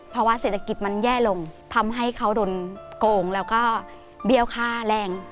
ภาวะเศรษฐกิจมันแย่ลงทำให้เขาโดนโกงแล้วก็เบี้ยวค่าแรง